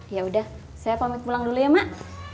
ya udah saya pamit pulang dulu ya mak